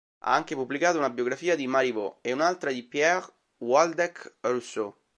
Ha anche pubblicato una biografia di Marivaux e un'altra di Pierre Waldeck-Rousseau.